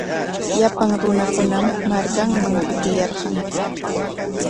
Llapan runakunam markankunaman kutiyarqan.